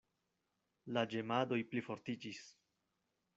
La ĝemadoj plifortiĝis.